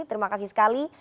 terima kasih sekali